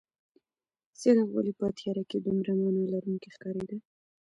څراغ ولې په تیاره کې دومره مانا لرونکې ښکارېده؟